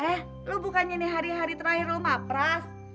eh lu bukannya nih hari hari terakhir lu mapras